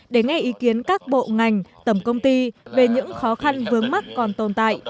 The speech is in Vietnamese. để nghe ý kiến các bộ ngành tầm công ty về những khó khăn vướng mắt còn tồn tại